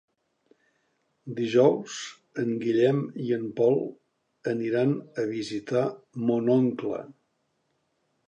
Dijous en Guillem i en Pol aniran a visitar mon oncle.